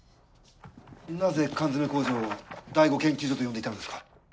なぜ缶詰工場を第五研究所と呼んでいたのですか？